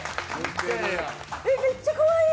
めっちゃかわいい！